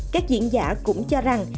các diễn giả cũng cho rằng